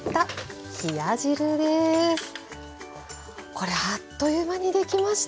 これあっという間にできましたね。